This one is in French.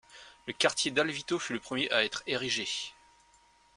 Le quartier d'Alvito fut le premier à être érigé.